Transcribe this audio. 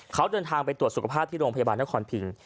เขาเดินทางไปตรวจสุขภาพที่โรงพยาบาลนครพิง